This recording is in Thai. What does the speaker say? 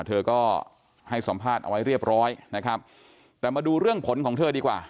เธอก็ให้สัมภาษณ์เอาไว้เรียบร้อยนะครับแต่มาดูเรื่องผลของเธอดีกว่า